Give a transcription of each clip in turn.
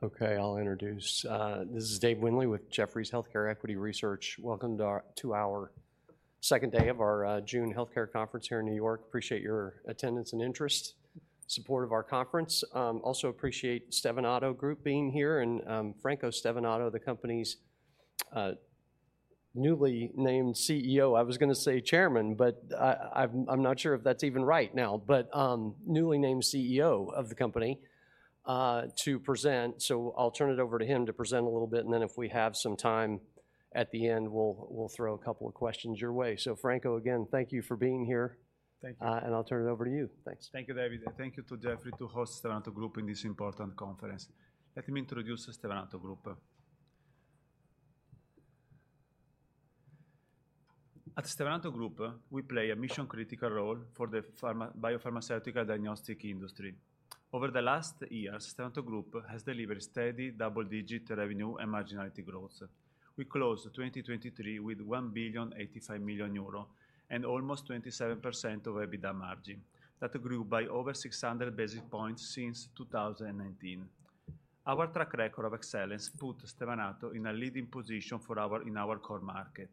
Okay, I'll introduce. This is Dave Windley with Jefferies Healthcare Equity Research. Welcome to our second day of our June Healthcare Conference here in New York. Appreciate your attendance and interest, support of our conference. Also appreciate Stevanato Group being here, and Franco Stevanato, the company's newly named CEO. I was gonna say chairman, but I'm not sure if that's even right now, but newly named CEO of the company to present. So I'll turn it over to him to present a little bit, and then if we have some time at the end, we'll throw a couple of questions your way. So Franco, again, thank you for being here. Thank you. I'll turn it over to you. Thanks. Thank you, Dave, and thank you to Jefferies to host Stevanato Group in this important conference. Let me introduce Stevanato Group. At Stevanato Group, we play a mission-critical role for the pharma-biopharmaceutical diagnostic industry. Over the last years, Stevanato Group has delivered steady double-digit revenue and marginality growth. We closed 2023 with 1,085 million euro and almost 27% EBITDA margin. That grew by over 600 basis points since 2019. Our track record of excellence put Stevanato in a leading position in our core market.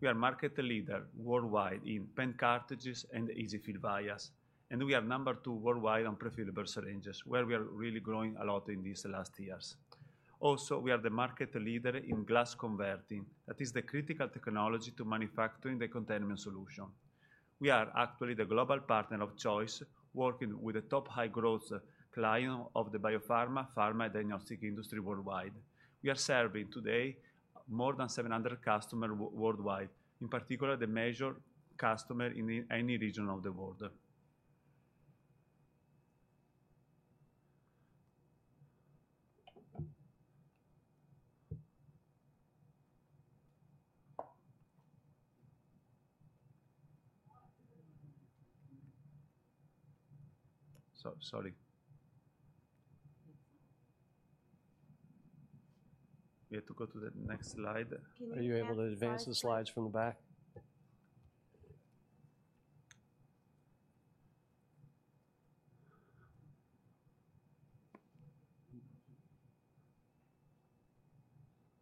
We are market leader worldwide in pen cartridges and EZ-fill vials, and we are number two worldwide on prefillable syringes, where we are really growing a lot in these last years. Also, we are the market leader in glass converting. That is the critical technology to manufacturing the containment solution. We are actually the global partner of choice, working with the top high-growth clients of the biopharma, pharma, diagnostic industry worldwide. We are serving today more than 700 customers worldwide, in particular, the major customers in any region of the world. So sorry. We have to go to the next slide. Can you- Are you able to advance the slides from the back?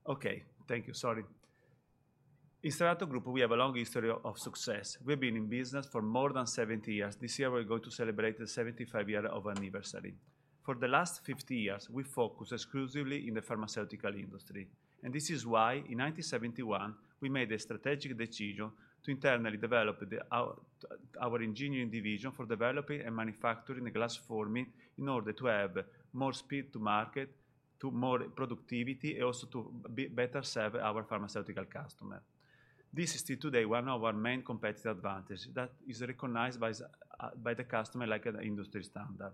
Okay. Thank you. Sorry. In Stevanato Group, we have a long history of success. We've been in business for more than 70 years. This year, we're going to celebrate the 75-year anniversary. For the last 50 years, we focus exclusively in the pharmaceutical industry, and this is why, in 1971, we made a strategic decision to internally develop our Engineering division for developing and manufacturing the glass forming in order to have more speed to market, to more productivity, and also to better serve our pharmaceutical customer. This is still today one of our main competitive advantage that is recognized by the customer like an industry standard.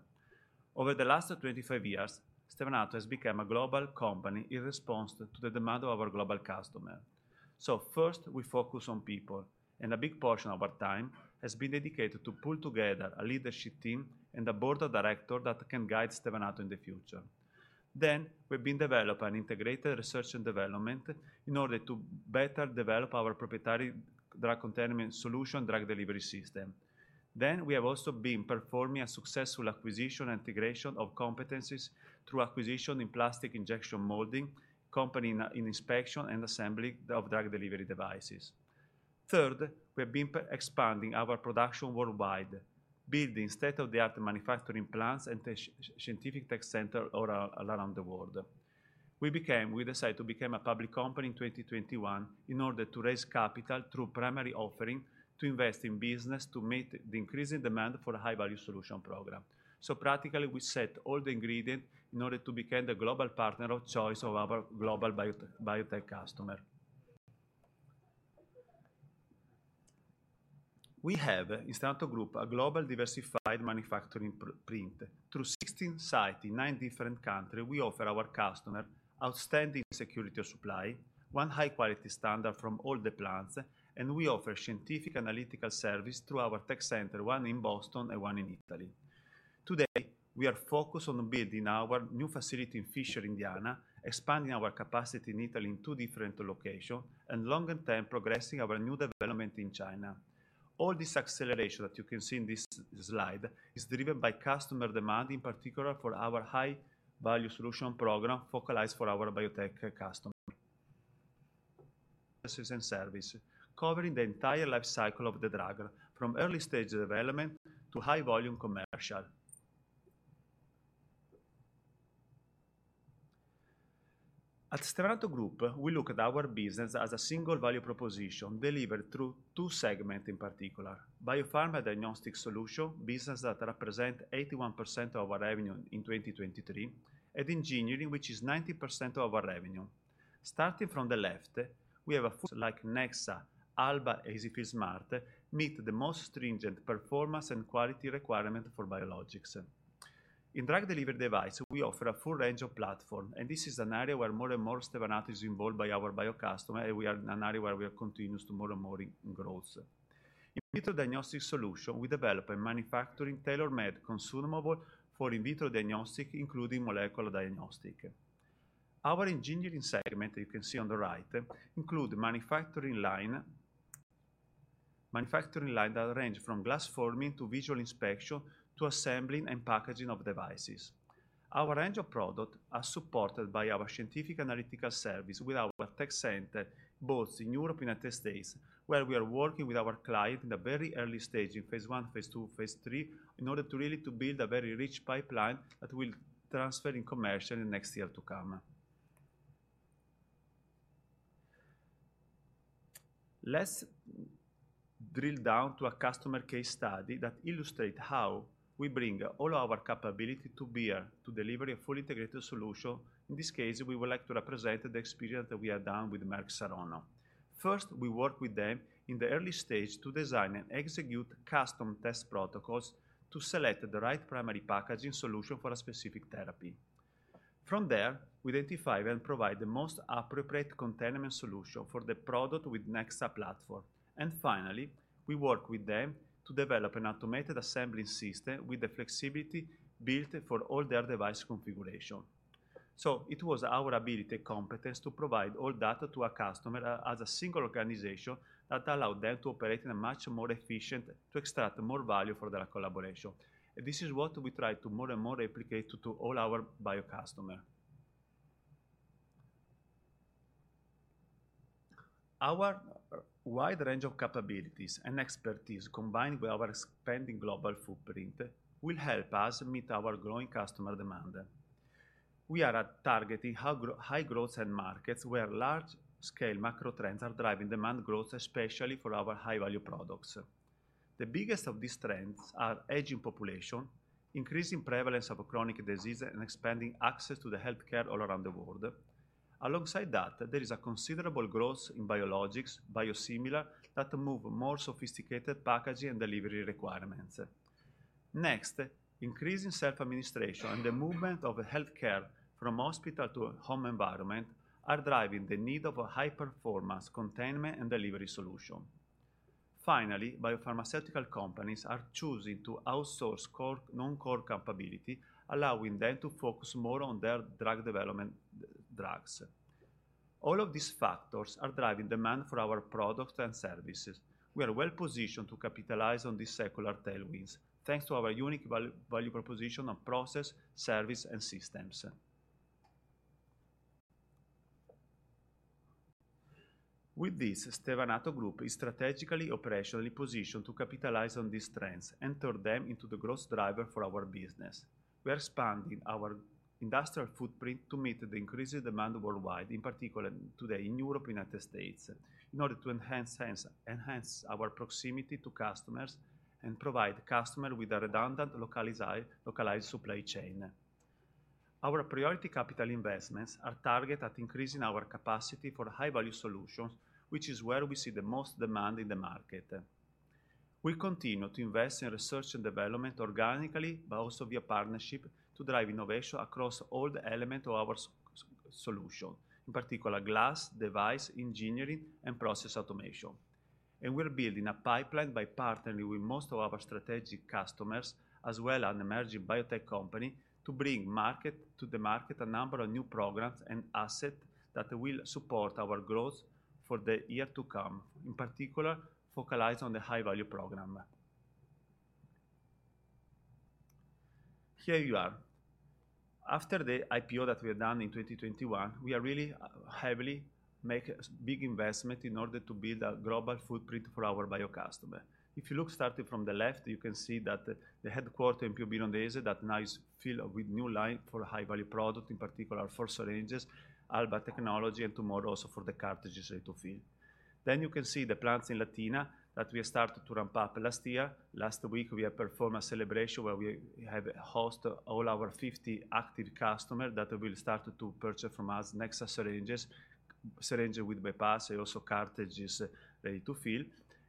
Over the last 25 years, Stevanato has become a global company in response to the demand of our global customer. So first, we focus on people, and a big portion of our time has been dedicated to pull together a leadership team and a board of directors that can guide Stevanato in the future. Then, we've been developing integrated research and development in order to better develop our proprietary drug containment solution, drug delivery system. Then, we have also been performing a successful acquisition and integration of competencies through acquisition in plastic injection molding, company in inspection and assembly of drug delivery devices. Third, we have been expanding our production worldwide, building state-of-the-art manufacturing plants and scientific tech center all around the world. We decided to become a public company in 2021 in order to raise capital through primary offering, to invest in business, to meet the increasing demand for a high-value solution program. So practically, we set all the ingredients in order to become the global partner of choice of our global biotech customers. We have, in Stevanato Group, a global diversified manufacturing footprint. Through 16 sites in 9 different countries, we offer our customers outstanding security of supply, a high quality standard from all the plants, and we offer scientific analytical services through our tech centers, one in Boston and one in Italy. Today, we are focused on building our new facility in Fishers, Indiana, expanding our capacity in Italy in two different locations, and longer term, progressing our new development in China. All this acceleration that you can see in this slide is driven by customer demand, in particular, for our high-value solution program, focused for our biotech customers. Services and solutions, covering the entire life cycle of the drug, from early stage development to high volume commercial. At Stevanato Group, we look at our business as a single value proposition delivered through two segments in particular: Biopharma Diagnostic Solutions business that represents 81% of our revenue in 2023, and Engineering, which is 19% of our revenue. Starting from the left, we have like Nexa, Alba, EZ-fill Smart, meet the most stringent performance and quality requirements for biologics. In drug delivery devices, we offer a full range of platforms, and this is an area where more and more Stevanato is involved by our bio customers, and we are an area where we are continuing to more and more in growth. In vitro diagnostic solutions, we develop and manufacture tailor-made consumables for in vitro diagnostics, including molecular diagnostics. Our Engineering segment, you can see on the right, includes manufacturing lines-... manufacturing line that ranges from glass forming, to visual inspection, to assembling and packaging of devices. Our range of product are supported by our scientific analytical service with our tech center, both in Europe and United States, where we are working with our client in the very early stage, in Phase 1, Phase 2, Phase 3, in order to really to build a very rich pipeline that will transfer in commercial in next year to come. Let's drill down to a customer case study that illustrates how we bring all our capability to bear to deliver a fully integrated solution. In this case, we would like to represent the experience that we have done with Merck Serono. First, we work with them in the early stage to design and execute custom test protocols to select the right primary packaging solution for a specific therapy. From there, we identify and provide the most appropriate containment solution for the product with Nexa platform. And finally, we work with them to develop an automated assembly system with the flexibility built for all their device configuration. So it was our ability and competence to provide all that to a customer as a single organization, that allowed them to operate in a much more efficient to extract more value for their collaboration. This is what we try to more and more replicate to all our bio customer. Our wide range of capabilities and expertise, combined with our expanding global footprint, will help us meet our growing customer demand. We are targeting high growth end markets, where large-scale macro trends are driving demand growth, especially for our high-value products. The biggest of these trends are aging population, increasing prevalence of chronic disease, and expanding access to the healthcare all around the world. Alongside that, there is a considerable growth in biologics, biosimilar, that move more sophisticated packaging and delivery requirements. Next, increase in self-administration, and the movement of healthcare from hospital to home environment, are driving the need of a high-performance containment and delivery solution. Finally, biopharmaceutical companies are choosing to outsource non-core capability, allowing them to focus more on their drug development, drugs. All of these factors are driving demand for our products and services. We are well positioned to capitalize on these secular tailwinds, thanks to our unique value, value proposition on process, service, and systems. With this, Stevanato Group is strategically, operationally positioned to capitalize on these trends and turn them into the growth driver for our business. We are expanding our industrial footprint to meet the increasing demand worldwide, in particular today in Europe, United States, in order to enhance our proximity to customers and provide customer with a redundant, localized supply chain. Our priority capital investments are targeted at increasing our capacity for high-value solutions, which is where we see the most demand in the market. We continue to invest in research and development organically, but also via partnership, to drive innovation across all the elements of our solution. In particular, glass, device, engineering, and process automation. We're building a pipeline by partnering with most of our strategic customers, as well as an emerging biotech company, to bring to the market a number of new programs and assets that will support our growth for the year to come, in particular, focused on the high-value program. Here you are. After the IPO that we have done in 2021, we are really heavily make big investment in order to build a global footprint for our bio customer. If you look starting from the left, you can see that the headquarters in Piombino Dese, that now is filled with new line for high-value product, in particular, for syringes, Alba technology, and tomorrow also for the cartridges ready-to- fill. Then you can see the plants in Latina, that we have started to ramp up last year. Last week, we have performed a celebration where we have hosted all our 50 active customers that will start to purchase from us Nexa syringes, syringe with bypass, and also cartridges ready to fill.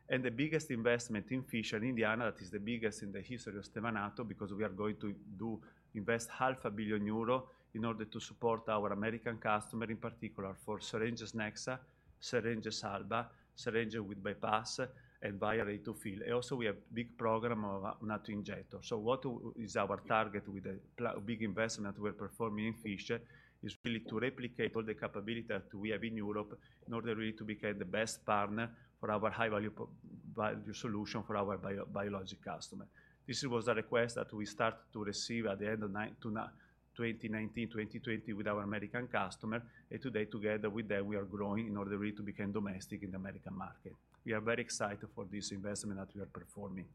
And the biggest investment in Fishers, Indiana, that is the biggest in the history of Stevanato, because we are going to invest half a billion euro in order to support our American customer, in particular, for syringes Nexa, syringes Alba, syringe with bypass, and vials ready-to-fill. And also, we have big program of auto-injector. So what is our target with the big investment we're performing in Fishers, is really to replicate all the capability that we have in Europe, in order really to become the best partner for our high-value value solution for our biologic customer. This was a request that we start to receive at the end of 2019, 2020, with our American customer. And today, together with them, we are growing in order really to become domestic in the American market. We are very excited for this investment that we are performing.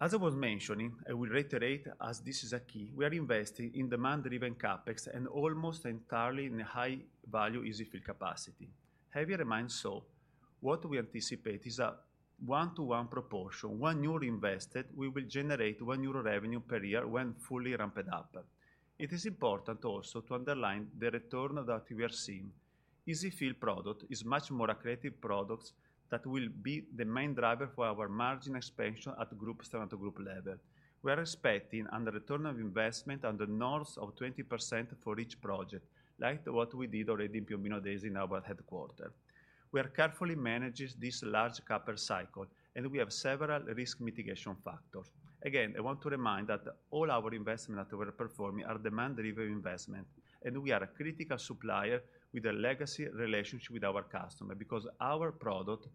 As I was mentioning, I will reiterate, as this is a key, we are investing in demand-driven CapEx and almost entirely in a high-value EZ-fill capacity. Have in your mind, so what we anticipate is a 1-to-1 proportion. 1 euro invested, we will generate 1 euro revenue per year when fully ramped up. It is important also to underline the return that we are seeing. EZ-fill product is much more accretive products that will be the main driver for our margin expansion at group-Stevanato Group level. We are expecting a return of investment north of 20% for each project, like what we did already in Piombino Dese in our headquarters. We are carefully managing this large capital cycle, and we have several risk mitigation factors. Again, I want to remind that all our investment that we are performing are demand-driven investment, and we are a critical supplier with a legacy relationship with our customer, because our product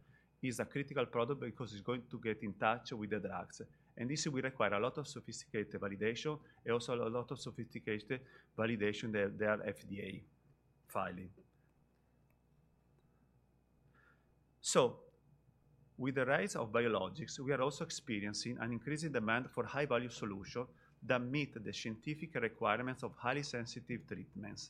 is a critical product, because it's going to get in touch with the drugs. And this will require a lot of sophisticated validation and also a lot of sophisticated validation, their FDA filing. So with the rise of biologics, we are also experiencing an increasing demand for high-value solution that meet the scientific requirements of highly sensitive treatments.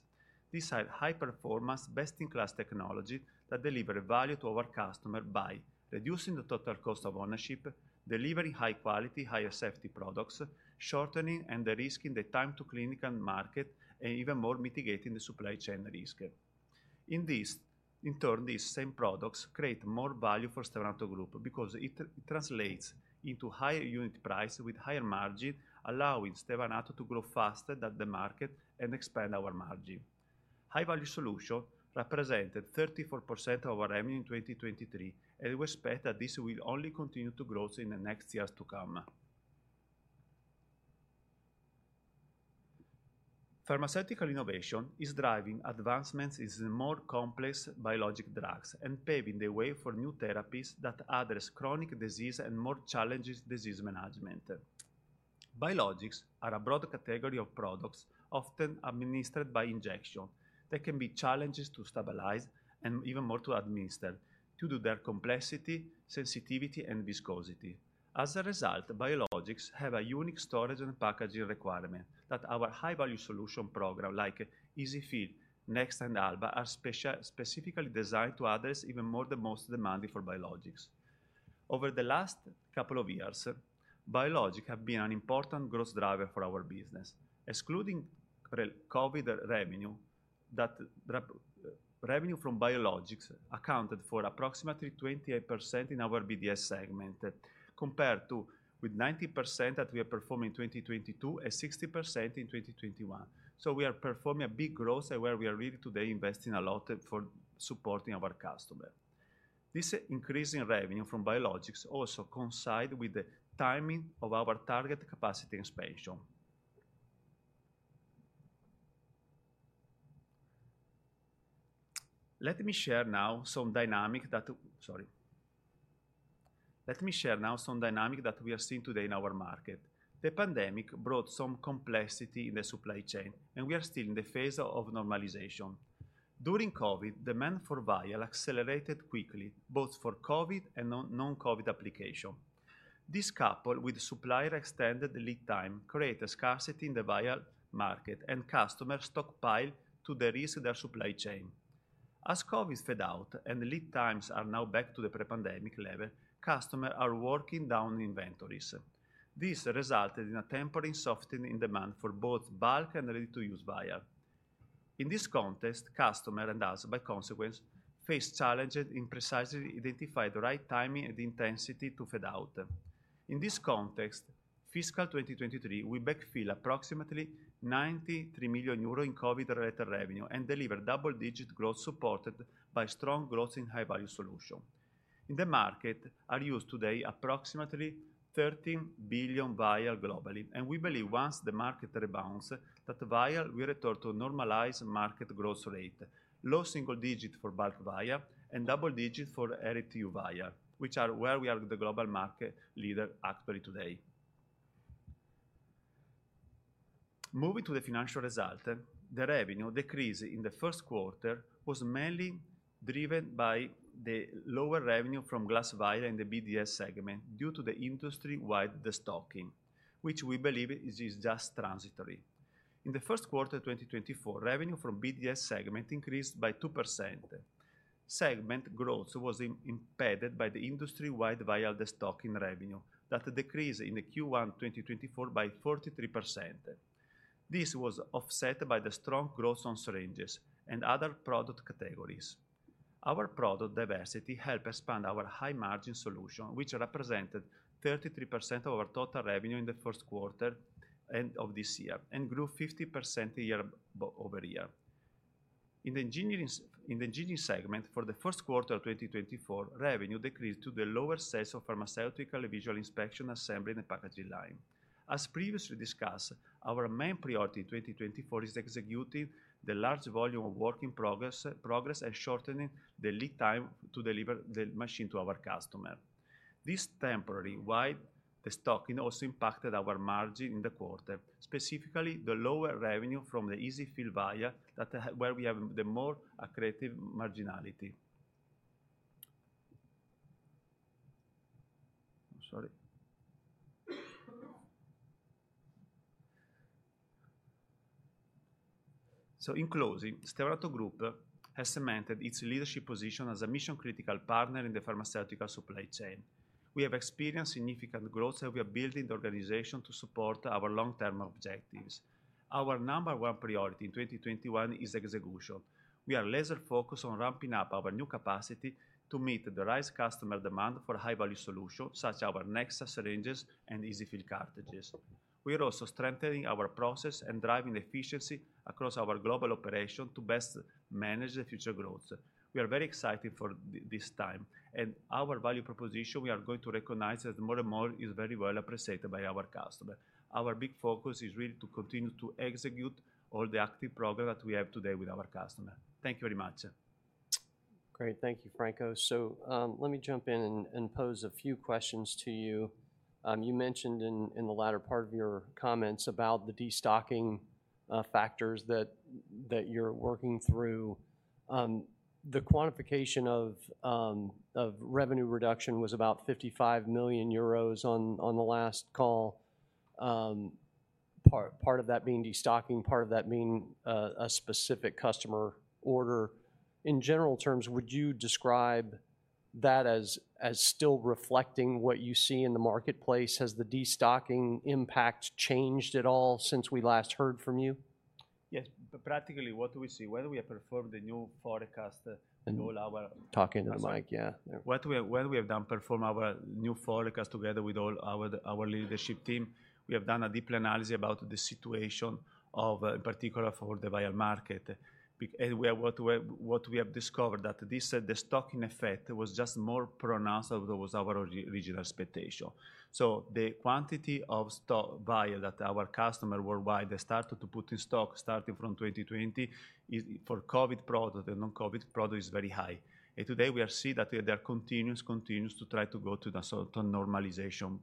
These are high-performance, best-in-class technology that deliver value to our customer by reducing the total cost of ownership, delivering high-quality, higher-safety products, shortening and de-risking the time to clinical market, and even more mitigating the supply chain risk. In this, in turn, these same products create more value for Stevanato Group because it, it translates into higher unit price with higher margin, allowing Stevanato Group to grow faster than the market and expand our margin. High-value solution represented 34% of our revenue in 2023, and we expect that this will only continue to grow in the next years to come. Pharmaceutical innovation is driving advancements in more complex biologic drugs and paving the way for new therapies that address chronic disease and more challenging disease management. Biologics are a broad category of products often administered by injection. They can be challenging to stabilize and even more to administer due to their complexity, sensitivity, and viscosity. As a result, biologics have a unique storage and packaging requirement that our high-value solution program, like EZ-fill, Nexa, and Alba, are specifically designed to address even more the most demanding for biologics. Over the last couple of years, biologics have been an important growth driver for our business. Excluding related COVID revenue, that revenue from biologics accounted for approximately 28% in our BDS segment, compared to with 90% that we are performing in 2022 and 60% in 2021. So we are performing a big growth and where we are really today investing a lot for supporting our customer. This increase in revenue from biologics also coincide with the timing of our target capacity expansion. Let me share now some dynamic that... Sorry. Let me share now some dynamic that we are seeing today in our market. The pandemic brought some complexity in the supply chain, and we are still in the phase of normalization. During COVID, demand for vial accelerated quickly, both for COVID and non-COVID application. This, coupled with supplier extended lead time, created scarcity in the vial market, and customers stockpile to de-risk their supply chain. As COVID fade out and the lead times are now back to the pre-pandemic level, customer are working down inventories. This resulted in a temporary softening in demand for both bulk and ready-to-use vial. In this context, customer, and us by consequence, face challenges in precisely identifying the right timing and intensity to fade out. In this context, fiscal 2023, we backfill approximately 93 million euro in COVID-related revenue and deliver double-digit growth, supported by strong growth in high-value solution. In the market, are used today approximately 13 billion vials globally, and we believe once the market rebounds, that vial will return to normalized market growth rate, low single digit for bulk vial and double digit for RTU vial, which are where we are the global market leader actually today. Moving to the financial result, the revenue decrease in the first quarter was mainly driven by the lower revenue from glass vial in the BDS segment due to the industry-wide destocking, which we believe is just transitory. In the first quarter of 2024, revenue from BDS segment increased by 2%. Segment growth was impeded by the industry-wide vial destocking revenue that decreased in the Q1 2024 by 43%. This was offset by the strong growth on syringes and other product categories. Our product diversity helped expand our high-margin solution, which represented 33% of our total revenue in the first quarter of this year, and grew 50% year-over-year. In the Engineering segment, for the first quarter of 2024, revenue decreased due to the lower sales of pharmaceutical visual inspection assembly and packaging line. As previously discussed, our main priority in 2024 is executing the large volume of work in progress and shortening the lead time to deliver the machine to our customer. This temporary wide destocking also impacted our margin in the quarter, specifically the lower revenue from the EZ-fill vial where we have the more accretive marginality. I'm sorry. So in closing, Stevanato Group has cemented its leadership position as a mission-critical partner in the pharmaceutical supply chain. We have experienced significant growth, and we are building the organization to support our long-term objectives. Our number one priority in 2021 is execution. We are laser-focused on ramping up our new capacity to meet the rise customer demand for high-value solutions, such as our Nexa syringes and EZ-fill cartridges. We are also strengthening our process and driving efficiency across our global operation to best manage the future growth. We are very excited for this time, and our value proposition, we are going to recognize that more and more is very well appreciated by our customer. Our big focus is really to continue to execute all the active program that we have today with our customer. Thank you very much.... Great. Thank you, Franco. So, let me jump in and pose a few questions to you. You mentioned in the latter part of your comments about the destocking factors that you're working through. The quantification of revenue reduction was about 55 million euros on the last call. Part of that being destocking, part of that being a specific customer order. In general terms, would you describe that as still reflecting what you see in the marketplace? Has the destocking impact changed at all since we last heard from you? Yes, but practically, what do we see? When we have performed the new forecast, all our- Talk into the mic, yeah. When we have done to perform our new forecast together with all our leadership team, we have done a deep analysis about the situation, particularly for the vial market. We have discovered that this, the destocking effect was just more pronounced than was our original expectation. So the quantity of stock vial that our customer worldwide, they started to put in stock, starting from 2020, is for COVID product and non-COVID product is very high. And today, we see that they are continuing to try to go to the certain normalization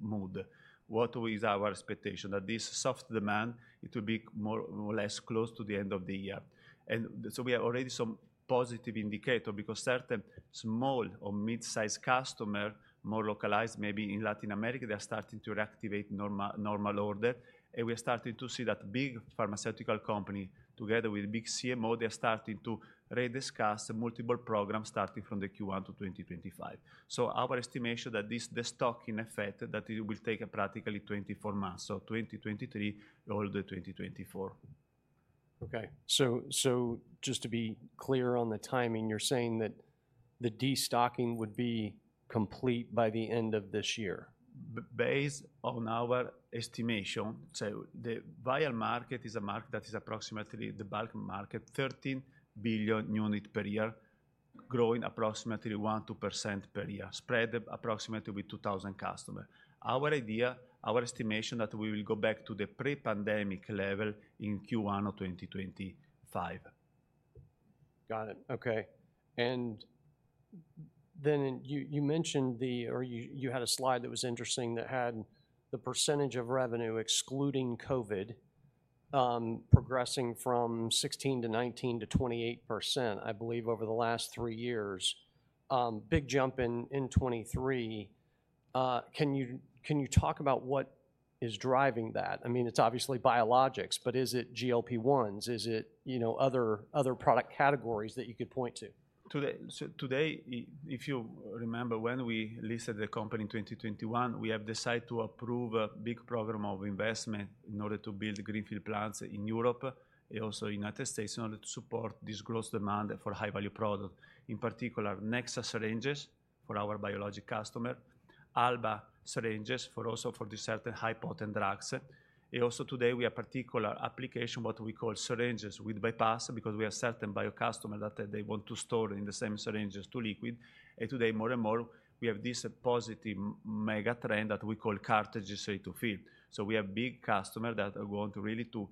mode. What is our expectation? That this soft demand, it will be more or less close to the end of the year. So we have already some positive indicator, because certain small or mid-sized customer, more localized, maybe in Latin America, they are starting to reactivate normal, normal order. We are starting to see that big pharmaceutical company, together with big CMO, they are starting to re-discuss multiple programs, starting from the Q1 to 2025. Our estimation that this, the destocking effect, that it will take practically 24 months, so 2023, all the 2024. Okay. So, just to be clear on the timing, you're saying that the destocking would be complete by the end of this year? Based on our estimation, the buyer market is a market that is approximately the bulk market, 13 billion units per year, growing approximately 1%-2% per year, spread approximately with 2,000 customers. Our idea, our estimation, that we will go back to the pre-pandemic level in Q1 of 2025. Got it. Okay. And then you mentioned the... or you had a slide that was interesting, that had the percentage of revenue, excluding COVID, progressing from 16 to 19 to 28%, I believe, over the last 3 years. Big jump in 2023. Can you talk about what is driving that? I mean, it's obviously biologics, but is it GLP-1s? Is it, you know, other product categories that you could point to? Today, if you remember, when we listed the company in 2021, we have decided to approve a big program of investment in order to build greenfield plants in Europe and also United States, in order to support this growth demand for high-value product. In particular, Nexa syringes for our biologic customer, Alba syringes for also for the certain high-potent drugs. And also today, we have particular application, what we call syringes with bypass, because we have certain bio customer that they want to store in the same syringes two liquids. And today, more and more, we have this positive mega trend that we call cartridges ready to fill. So we have big customer that want really to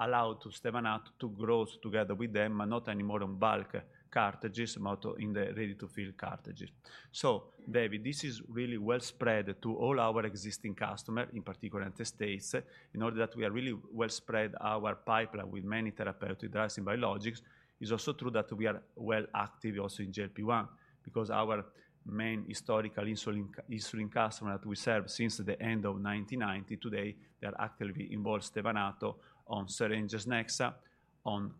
allow to Stevanato to grow together with them, but not anymore on bulk cartridges, but in the ready-to-fill cartridges. So Dave, this is really well spread to all our existing customer, in particular, in the States, in order that we are really well spread our pipeline with many therapeutic drugs and biologics. It's also true that we are well active also in GLP-1, because our main historical insulin customer that we serve since the end of 1990, today, they are actively involved Stevanato on syringes Nexa, on,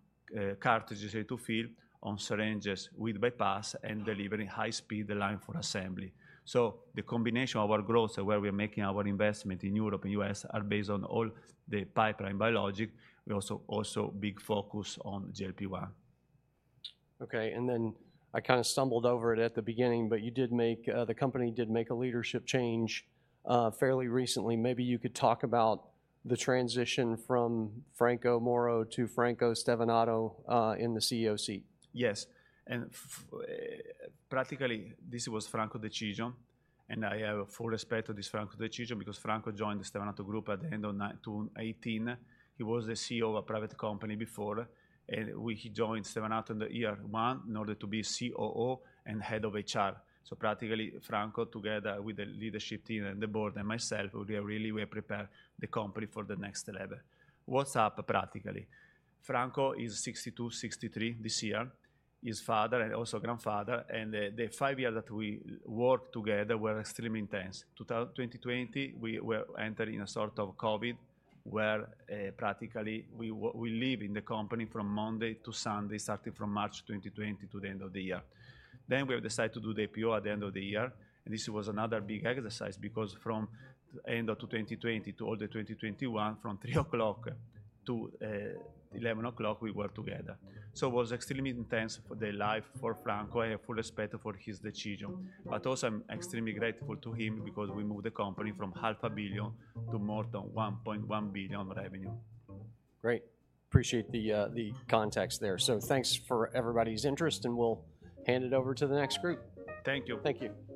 cartridges ready to fill, on syringes with bypass, and delivering high speed line for assembly. So the combination of our growth, where we are making our investment in Europe and U.S., are based on all the pipeline biologic. We also, also big focus on GLP-1. Okay, and then I kind of stumbled over it at the beginning, but you did make the company did make a leadership change fairly recently. Maybe you could talk about the transition from Franco Moro to Franco Stevanato in the CEO seat. Yes, and practically, this was Franco's decision, and I have full respect to this Franco's decision, because Franco joined the Stevanato Group at the end of 1988. He was the CEO of a private company before, and he joined Stevanato in the year 2001 in order to be COO and head of HR. So practically, Franco, together with the leadership team and the board and myself, we are really, we prepare the company for the next level. What's up, practically? Franco is 62, 63 this year. He's a father and also grandfather, and the 5 years that we worked together were extremely intense. 2020, we were entering a sort of COVID, where, practically, we live in the company from Monday to Sunday, starting from March 2020 to the end of the year. Then we have decided to do the IPO at the end of the year, and this was another big exercise, because from end of 2020 to all the 2021, from 3:00 to 11:00, we were together. So it was extremely intense for the life for Franco. I have full respect for his decision, but also I'm extremely grateful to him, because we moved the company from 500 million to more than 1.1 billion revenue. Great! Appreciate the, the context there. So thanks for everybody's interest, and we'll hand it over to the next group. Thank you. Thank you.